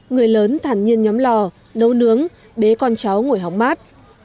người lớn thản nhiên nhắm lò nấu nướng bế con cháu ngồi hóng mát